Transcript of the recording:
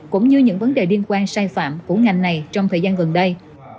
cũng như những vấn đề liên quan sai phạm của ngành này trong thời gian gần đây